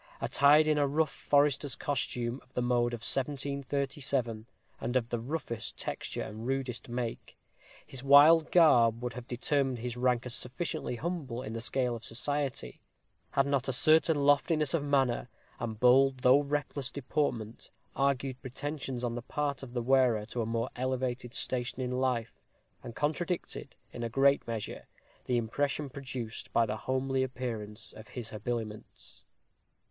Attired in a rough forester's costume, of the mode of 1737, and of the roughest texture and rudest make, his wild garb would have determined his rank as sufficiently humble in the scale of society, had not a certain loftiness of manner, and bold, though reckless deportment, argued pretensions on the part of the wearer to a more elevated station in life, and contradicted, in a great measure, the impression produced by the homely appearance of his habiliments.